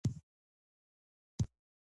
پوهه لرونکې مور د تودوخې بدلون درک کوي.